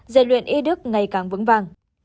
giải luyện y đức ngày càng vững vàng